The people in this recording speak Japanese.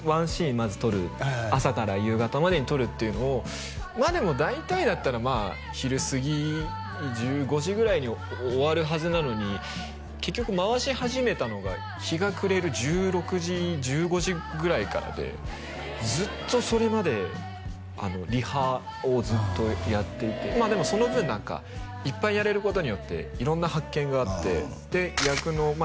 まず撮るはいはい朝から夕方までに撮るっていうのをまあでも大体だったらまあ昼すぎ１５時ぐらいに終わるはずなのに結局回し始めたのが日が暮れる１６時１５時ぐらいからでずっとそれまであのリハをずっとやっていてまあでもその分なんかいっぱいやれることによって色んな発見があってで役のまあ